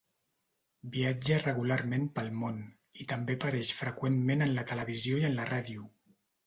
Viatja regularment pel món, i també apareix freqüentment en la televisió i en la ràdio.